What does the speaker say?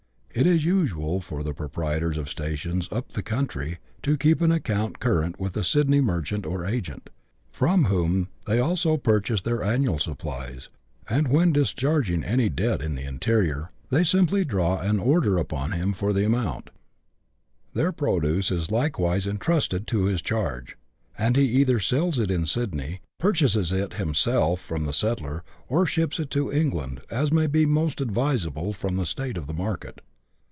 It is usual for proprietors of stations "up the country" to keep an account current with a Sydney merchant or agent, from whom they also purchase their annual supplies, and, when discharging any debt in the interior, they simply draw an "order" upon him for the amount; their produce is likewise intrusted to his charge, and he either sells it in Sydney, pur chases it himself from the settler, or ships it to England, as may be most advisable from the state of tlie market.